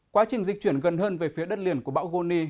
quá trình dịch chuyển gần hơn về phía đất liền của bão goni